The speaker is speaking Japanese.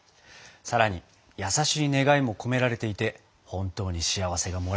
さらに優しい願いも込められていて本当に幸せがもらえそうです！